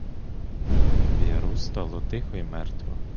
В яру стало тихо й мертво.